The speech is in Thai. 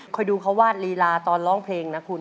ค่อยดูคำว่าปลีลาตอนร้องเพลงน่ะคุณ